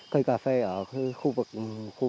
cây cà phê ở khu vực này